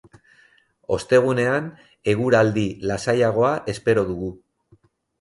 Ostegunean, eguraldi lasaiagoa espero dugu.